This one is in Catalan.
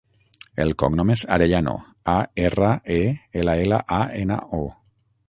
El cognom és Arellano: a, erra, e, ela, ela, a, ena, o.